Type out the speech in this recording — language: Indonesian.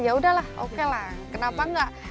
ya udahlah oke lah kenapa enggak